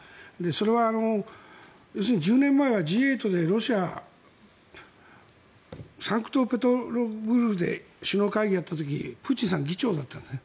それは要するに１０年前はＧ８でロシアはサンクトペテルブルクで首脳会議をやった時にプーチンさんは議長だったんです。